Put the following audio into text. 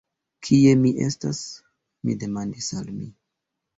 Kie mi estas? mi demandis al mi.